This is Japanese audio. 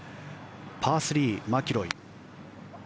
パー３、マキロイ。